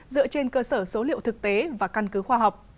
dựa trên cơ sở số liệu thực tế và căn cứ khoa học